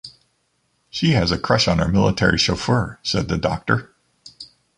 ‘She has a crush on our military chauffeur,’ said the doctor.